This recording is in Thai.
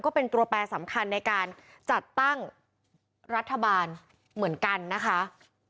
ก็เป็นตัวแปรสำคัญในการจัดตั้งรัฐบาลเหมือนกันนะคะ